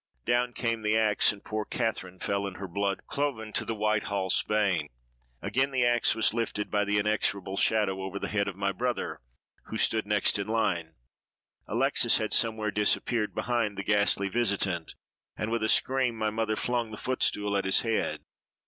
Down came the axe, and poor Catherine fell in her blood, cloven to 'the white halse bane.' Again the axe was lifted, by the inexorable shadow, over the head of my brother, who stood next in the line. Alexes had somewhere disappeared behind the ghastly visitant; and, with a scream, my mother flung the footstool at his head.